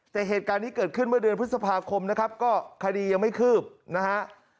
แต่เหตุการณ์นี้เกิดขึ้นเมื่อเดือนพฤษภาคมนะครับก็คดียังไม่คืบนะฮะ